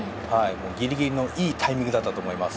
ギリギリのいいタイミングだったと思います。